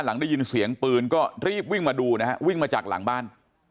หลังได้ยินเสียงปืนก็รีบวิ่งมาดูนะฮะวิ่งมาจากหลังบ้าน